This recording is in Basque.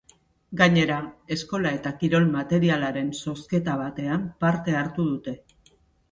Gainera, eskola eta kirol materialaren zozketa batean parte hartu dute.